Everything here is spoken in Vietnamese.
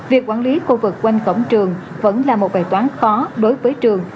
việc quản lý khu vực quanh cổng trường vẫn là một bài toán khó đối với trường